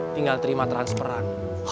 tinggal terima transferan